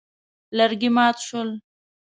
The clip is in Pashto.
لرګي مات شول.